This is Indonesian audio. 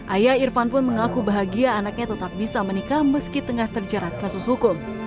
ayah irfan pun mengaku bahagia anaknya tetap bisa menikah meski tengah terjerat kasus hukum